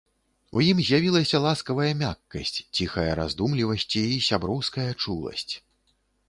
У ім з'явілася ласкавая мяккасць, ціхая раздумлівасці, і сяброўская чуласць.